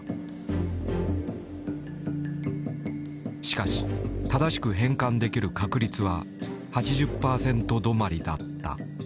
しかし正しく変換できる確率は８０％止まりだった。